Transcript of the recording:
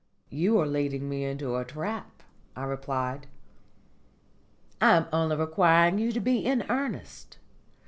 "You are leading me into a trap," I replied. "I am only requiring you to be in earnest.